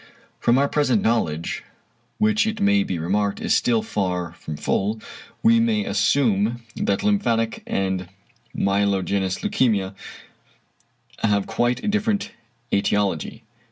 From our present knowledge, which, it may be remarked, is still far from full, we may assume that lymphatic and myelogenous leukæmia have quite a different ætiology.